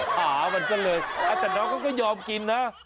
ไอ้ขามันเจ้าเลยอาจารย์น้องก็ยอมกินนะ